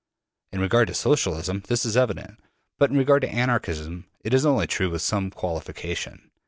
In regard to Socialism this is evident; but in regard to Anarchism it is only true with some qualification.